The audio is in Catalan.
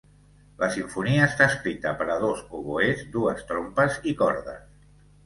La simfonia està escrita per a dos oboès, dues trompes i cordes.